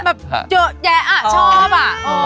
แบบโยแยอ่ะชอบอ่ะ